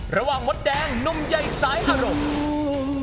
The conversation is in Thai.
ระหว่างมดแดงนุ่มใยสายอารมณ์